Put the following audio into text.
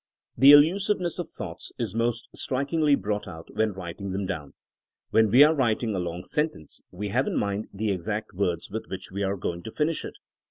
The elusiveness of thoughts is most strikingly brought out when writing them down. When we are writing a long sentence we have in mind the exact words with which we are going to finish it.